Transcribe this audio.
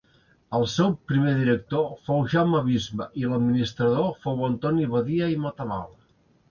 El seu primer director fou Jaume Bisbe i l'administrador fou Antoni Badia i Matamala.